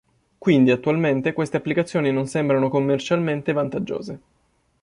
Quindi attualmente queste applicazioni non sembrano commercialmente vantaggiose.